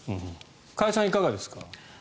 加谷さん、いかがですか？